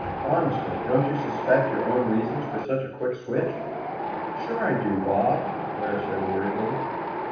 Honestly, don't you suspect your own reasons for such a quick switch?" "Sure I do, Bob," Blair said worriedly.